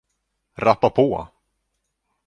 rappa på!